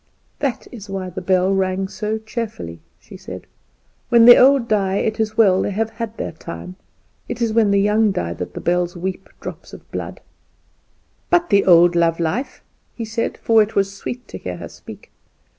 "That is why the bell rang so cheerfully," she said. "When the old die it is well; they have had their time. It is when the young die that the bells weep drops of blood." "But the old love life?" he said; for it was sweet to hear her speak.